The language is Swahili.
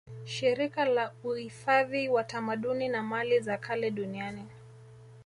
Shirika la uifadhi wa tamaduni na mali za kale Duniani